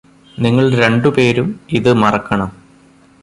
നിങ്ങളു രണ്ടു പേരും ഇത് മറക്കണം